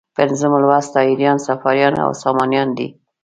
پنځم لوست طاهریان، صفاریان او سامانیان دي.